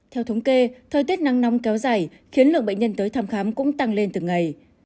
theo thống kê thời tiết nắng nóng kéo dài khiến lượng bệnh nhân tới thăm khám cũng tăng lên từng ngày